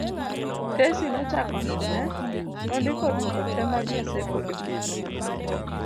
Tesi nochako none, nondiko dwoko te mag Naseko e buk moro